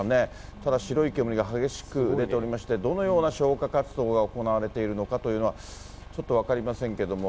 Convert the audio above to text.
ただ、白い煙が激しく出ておりまして、どのような消火活動が行われているのかというのは、ちょっと分かりませんけども。